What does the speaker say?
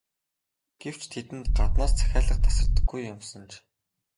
Гэвч тэдэнд гаднаас захиалга тасардаггүй юмсанж.